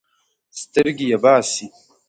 سترګې یې باسي.